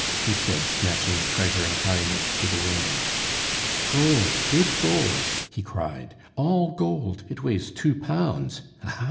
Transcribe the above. he said, snatching the treasure and carrying it to the window. "Gold, good gold!" he cried. "All gold, it weighs two pounds! Ha, ha!